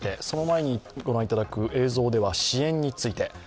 その前に御覧にいただく映像では支援について。